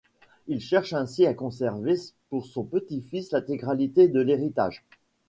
Il cherche ainsi à conserver pour son petit-fils l'intégralité de l'héritage.